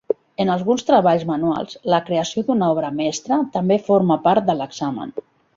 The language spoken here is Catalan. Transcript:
En alguns treballs manuals, la creació d'una obra mestra també forma part de l'examen.